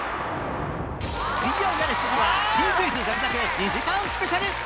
水曜よる７時は新クイズ続々２時間スペシャル！